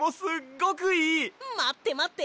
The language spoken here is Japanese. まってまって。